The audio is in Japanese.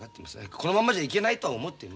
このまんまじゃいけないと思っています。